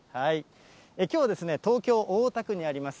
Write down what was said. きょうは東京・大田区にあります